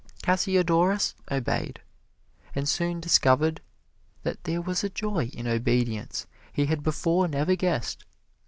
Cassiodorus obeyed, and soon discovered that there was a joy in obedience he had before never guessed.